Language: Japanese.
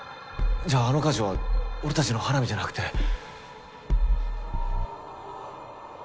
じゃああの火事は俺たちの花火じゃなくて。